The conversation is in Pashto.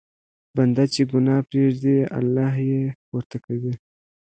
بنده چې ګناه پرېږدي، الله یې پورته کوي.